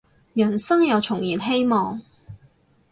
人生又重燃希望